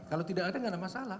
kalau tidak ada tidak ada masalah